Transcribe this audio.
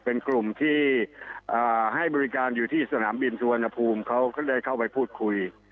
เป็นกลุ่มที่ให้บริการอยู่ที่สนามบินสุวรรณภูมิเขาก็ได้เข้าไปพูดคุย